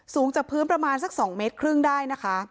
สูงจากพื้นประมาณสัก๒เมตรครึ่งได้นะคะ